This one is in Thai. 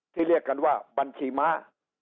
เรียกกันว่าบัญชีม้า